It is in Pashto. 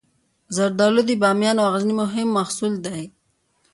زردالو د بامیان او غزني مهم محصول دی.